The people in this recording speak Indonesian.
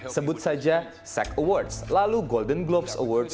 sebut saja sag awards lalu golden globes award